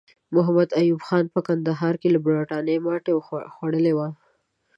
محمد ایوب خان په کندهار کې له برټانیې ماته خوړلې وه.